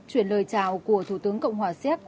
chuyển lời chào của thủ tướng cộng hòa siếc